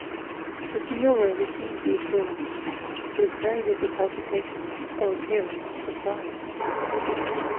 The signora received the assurance with very little palpitations or appearance of surprise.